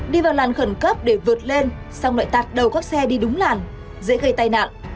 đi vào làn khẩn cấp để vượt lên xong lại tạt đầu các xe đi đúng làn dễ gây tai nạn